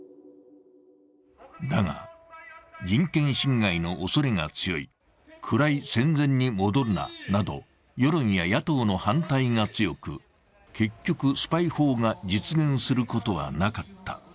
だが、人権侵害のおそれが強い、暗い戦前に戻るななど世論や野党の反対が強く、結局、スパイ法が実現することはなかった。